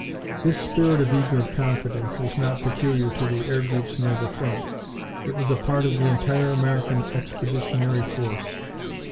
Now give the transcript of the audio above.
This spirit of eager confidence was not peculiar to the air groups near the front; it was a part of the entire American Expeditionary Force.